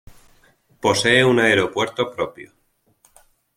Posee un aeropuerto propio.